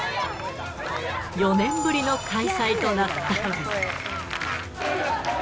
４年ぶりの開催となった。